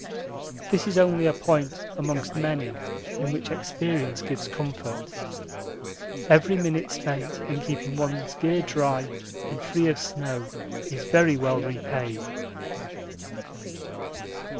This is only a point amongst many in which experience gives comfort. Every minute spent in keeping one's gear dry and free of snow is very well repaid.